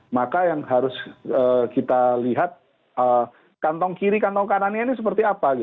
maka yang harus kita lihat kantong kiri kantong kanannya ini seperti apa